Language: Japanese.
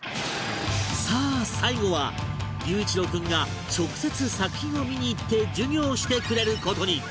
さあ最後は龍一郎君が直接作品を見に行って授業してくれる事に